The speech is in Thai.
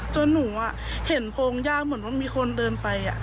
จนหนูอะเห็นพองยากเหมือนมีคนเดินไป